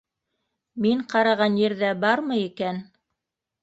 Мин ҡараған ерҙә бармы икән?